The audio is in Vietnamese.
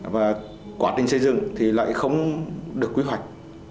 và quá trình xây dựng thì lại không được quy hoạch